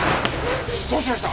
どうしました！？